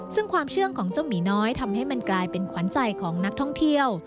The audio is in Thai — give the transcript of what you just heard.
ซึ่งความเชื่อของเจ้าหมีน้อยทำให้มันกลายเป็นขวัญใจของนักท่องเที่ยว